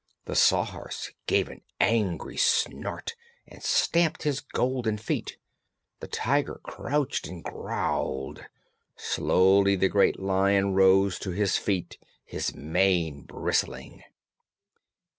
The Sawhorse gave an angry snort and stamped his golden feet. The Tiger crouched and growled. Slowly the great Lion rose to his feet, his mane bristling.